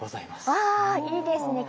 わいいですね